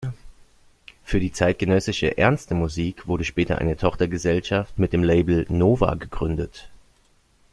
Für die zeitgenössische ernste Musik wurde später eine Tochtergesellschaft mit dem Label "Nova" gegründet.